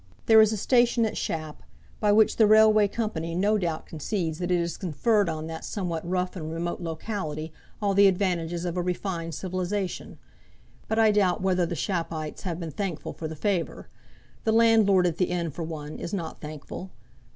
There is a station at Shap, by which the railway company no doubt conceives that it has conferred on that somewhat rough and remote locality all the advantages of a refined civilization; but I doubt whether the Shappites have been thankful for the favour. The landlord at the inn, for one, is not thankful.